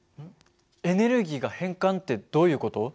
エネルギーが変換ってどういう事？